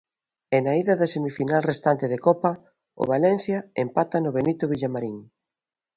E na ida da semifinal restante de Copa, o Valencia empata no Benito Villamarín.